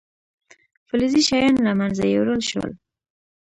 فلزي شیان له منځه یوړل شول.